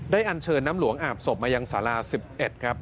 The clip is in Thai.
ได้อันเชินน้ำหลวงอาบสบมายังศาลา๑๑ครับ